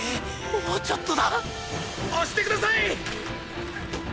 もうちょっとだ押してください！